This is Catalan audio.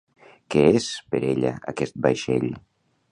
Què és per ella aquest vaixell?